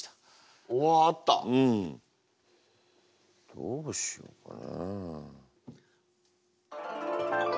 どうしようかな？